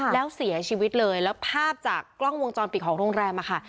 แล้วเสียชีวิตเลยแล้วภาพจากกล้องวงจรปิดของโรงแรมอะค่ะ